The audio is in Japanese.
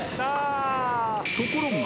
［ところが］